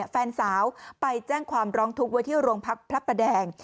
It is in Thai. แฟนสาวไปแจ้งความร้องทุกข์ไว้ที่โรงพักพระประแดง